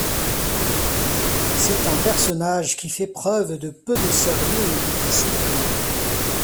C'est un personnage qui fait preuve de peu de sérieux et de discipline.